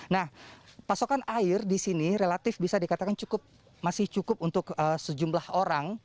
nah pasokan air di sini relatif bisa dikatakan cukup masih cukup untuk sejumlah orang